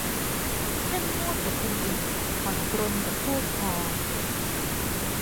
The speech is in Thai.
เข้มงวดกับคนอื่น ผ่อนปรนกับพวกพ้อง